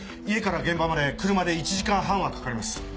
家から現場まで車で１時間半はかかります。